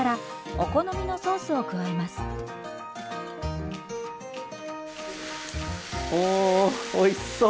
おおおいしそう！